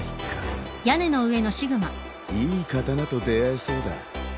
いい刀と出合えそうだ。